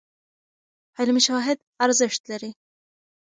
علمي شواهد ارزښت لري.